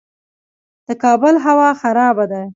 د کابل هوا خرابه ده